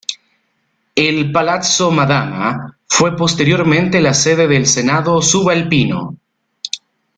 El Palazzo Madama fue posteriormente la sede del Senado Subalpino.